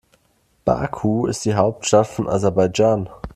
Baku ist die Hauptstadt von Aserbaidschan.